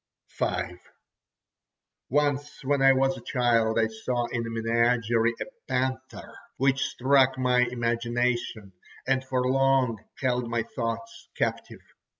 V Once, when I was a child, I saw in a menagerie a panther, which struck my imagination and for long held my thoughts captive.